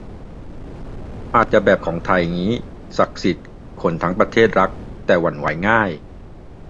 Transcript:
อาจจะแบบของไทยงี้ ศักดิ์สิทธิ์ คนทั้งประเทศรัก แต่หวั่นไหวง่าย